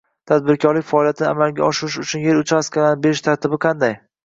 Tadbirkorlik faoliyatini amalga oshirish uchun er uchastkalarini berish tartibi qanday?